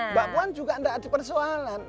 mbak puan juga tidak ada persoalan